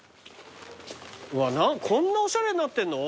うわこんなおしゃれになってんの？